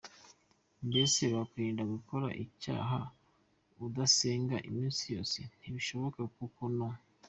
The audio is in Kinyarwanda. mbese wakwirinda gukora icyaha udasenga iminsi yose? ntibishoboka! kuko no.